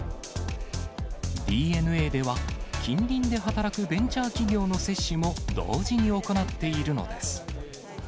ディー・エヌ・エーでは、近隣で働くベンチャー企業の接種も、同時に行っているのです。